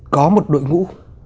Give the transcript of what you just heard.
có một đội ngũ